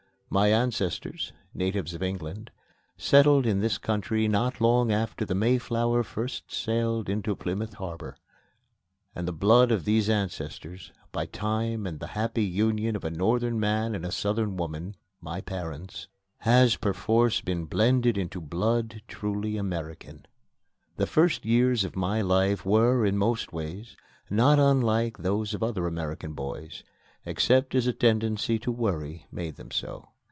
My ancestors, natives of England, settled in this country not long after the Mayflower first sailed into Plymouth Harbor. And the blood of these ancestors, by time and the happy union of a Northern man and a Southern woman my parents has perforce been blended into blood truly American. The first years of my life were, in most ways, not unlike those of other American boys, except as a tendency to worry made them so.